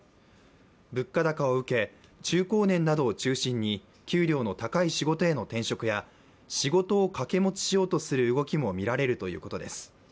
物価高を受け、中高年などを中心に給料の高い仕事への転職や仕事を掛け持ちしようとする動きも見られるということです。